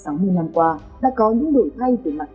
sáu mươi năm qua đã có những đổi thay từ mặt cơ cấu